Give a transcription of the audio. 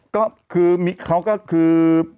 ก็คือเขาก็คือ